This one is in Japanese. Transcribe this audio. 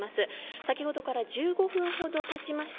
先ほどから１５分ほどたちました。